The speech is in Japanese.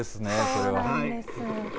それは。